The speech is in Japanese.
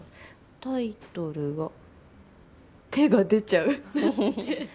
タイトルは『手が出ちゃう』だって。